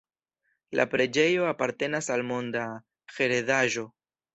La preĝejo apartenas al Monda Heredaĵo.